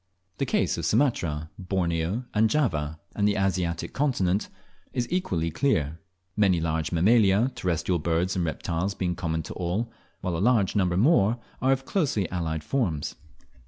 The case of Sumatra, Borneo, and Java, and the Asiatic continent is equally clear; many large Mammalia, terrestrial birds, and reptiles being common to all, while a large number more are of closely allied forms.